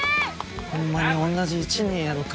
ホンマに同じ１年やろか・